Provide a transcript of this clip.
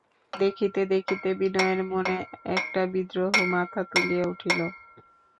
দেখিতে দেখিতে বিনয়ের মনে একটা বিদ্রোহ মাথা তুলিয়া উঠিল।